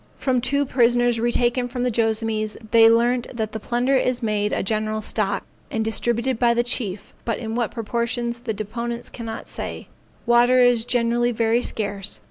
From two prisoners retaken from the Joassamees, they learnt that the plunder is made a general stock, and distributed by the chief, but in what proportions the deponents cannot say; water is generally very scarce.